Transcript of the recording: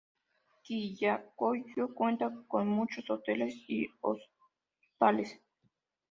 Quillacollo cuenta con muchos hoteles y hostales.